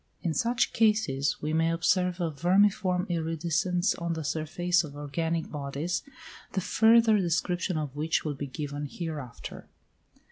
In such cases we may observe a vermiform iridescence on the surface of organic bodies, the further description of which will be given hereafter.